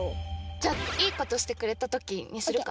じゃあ「いいことしてくれたとき」にするか。